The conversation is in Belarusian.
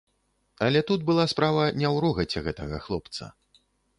Але тут была справа не ў рогаце гэтага хлопца.